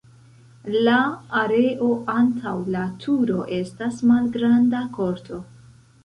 La areo antaŭ la turo estas malgranda korto.